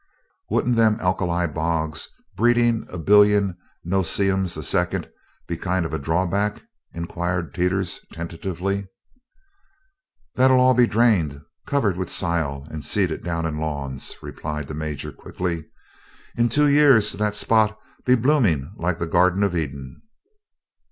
"Wouldn't them alkali bogs breedin' a billion 'no see 'ems' a second be kind of a drawback?" inquired Teeters tentatively. "That'll all be drained, covered with sile and seeded down in lawns," replied the Major quickly. "In two year that spot'll be bloomin' like the Garden of Eden.